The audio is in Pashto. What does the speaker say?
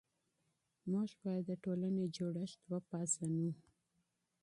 موږ بايد د ټولني جوړښت وپيژنو.